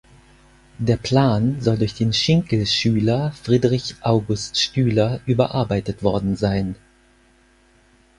Der Plan soll durch den Schinkel-Schüler Friedrich August Stüler überarbeitet worden sein.